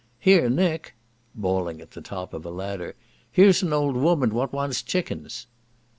Here Nick," (bawling at the bottom of a ladder), "here's an old woman what wants chickens."